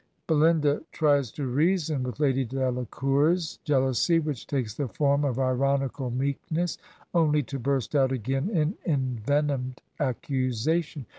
"' Belinda tries to reason with Lady Delacour's jeal ousy, which takes the form of ironical meekness, only to burst out again in envenomed accusation.